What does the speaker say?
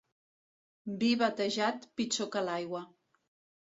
Vi batejat, pitjor que l'aigua.